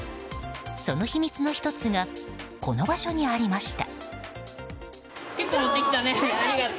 その秘密の１つがこの場所にありました。